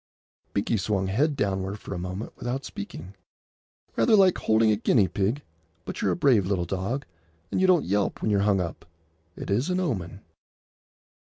Binkie swung head downward for a moment without speaking. "Rather like holding a guinea pig; but you're a brave little dog, and you don't yelp when you're hung up. It is an omen."